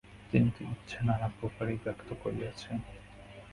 তিনি তো ইচ্ছা নানাপ্রকারেই ব্যক্ত করিয়াছেন।